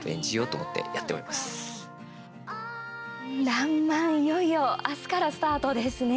「らんまん」、いよいよ明日からスタートですね。